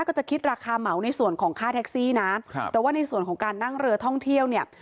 ก็จะคิดราคาเหมาในส่วนของค่าแท็กซี่นะครับแต่ว่าในส่วนของการนั่งเรือท่องเที่ยวเนี่ย